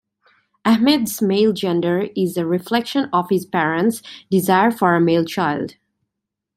Ahmed's male gender is a reflection of his parents' desire for a male child.